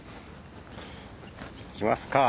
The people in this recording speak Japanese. いきますか。